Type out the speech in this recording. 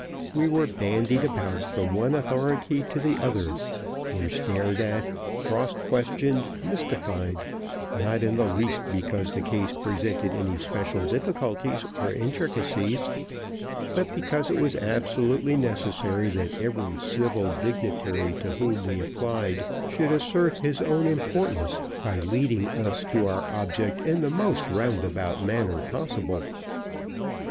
We were bandied about from one authority to the other, were stared at, cross questioned, mystified not in the least because the case presented any special difficulties or intricacies, but because it was absolutely necessary that every civil dignitary to whom we applied should assert his own importance by leading us to our object in the most roundabout manner possible.